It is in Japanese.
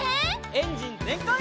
エンジンぜんかい！